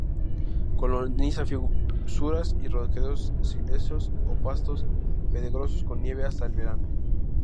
Coloniza fisuras y roquedos silíceos o pastos pedregosos con nieve hasta el verano.